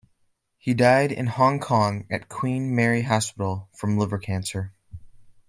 He died in Hong Kong at Queen Mary Hospital from liver cancer.